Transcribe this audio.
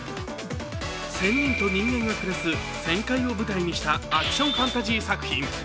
仙人と人間が暮らす仙界を舞台にしたアクションファンタジー作品。